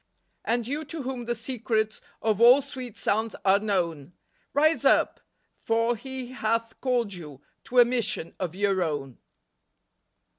And you to whom the secrets Of all sweet sounds are known. Rise up ! for He hath called you To a mission of your own."